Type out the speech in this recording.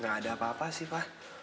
gak ada apa apa sih pak